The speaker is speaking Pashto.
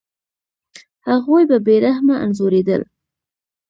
هغوی به بې رحمه انځورېدل.